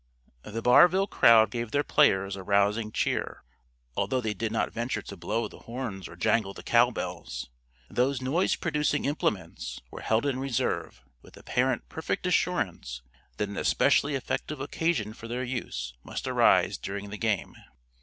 The Barville crowd gave their players a rousing cheer, although they did not yet venture to blow the horns or jangle the cowbells. Those noise producing implements were held in reserve, with apparent perfect assurance that an especially effective occasion for their use must arise during the game.